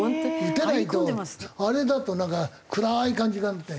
打てないとあれだとなんか暗い感じになって。